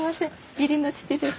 義理の父です。